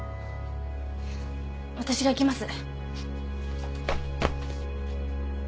私が行きます。